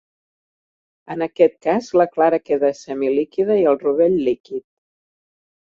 En aquest cas la clara queda semilíquida i el rovell líquid.